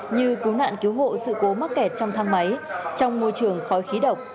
như cứu nạn cứu hộ sự cố mắc kẹt trong thang máy trong môi trường khói khí độc